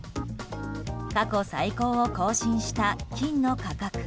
過去最高を更新した金の価格。